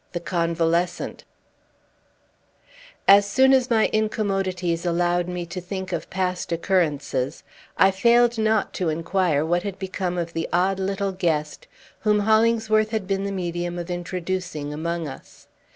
THE CONVALESCENT As soon as my incommodities allowed me to think of past occurrences, I failed not to inquire what had become of the odd little guest whom Hollingsworth had been the medium of introducing among us.